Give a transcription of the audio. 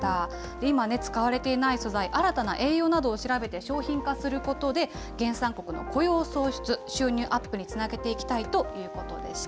今ね、使われていない素材、新たな栄養などを調べて商品化することで、原産国の雇用創出、収入アップにつなげていきたいということでした。